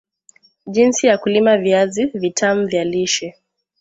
jinsi ya kulima viazi vitam vya lishe